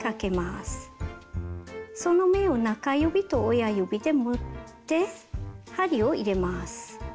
その目を中指と親指で持って針を入れます。